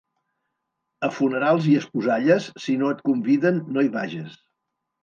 A funerals i esposalles, si no et conviden no hi vages.